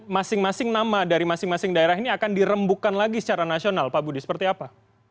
masing masing nama dari masing masing daerah ini akan dirembukkan lagi secara nasional pak budi seperti apa